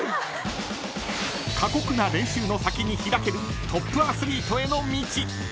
［過酷な練習の先に開けるトップアスリートへの道］